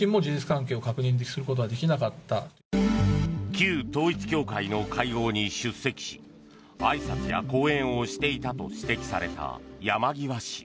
旧統一教会の会合に出席しあいさつや講演をしていたと指摘された山際氏。